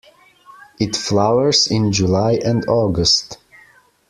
It flowers in July and August.